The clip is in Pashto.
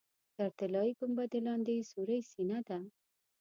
تر طلایي ګنبدې لاندې یې سورۍ سینه ده.